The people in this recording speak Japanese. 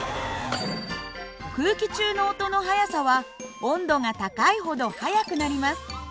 空気中の音の速さは温度が高いほど速くなります。